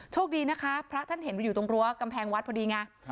โชคดีนะคะพระท่านเห็นว่าอยู่ตรงรั้วกำแพงวัดพอดีไง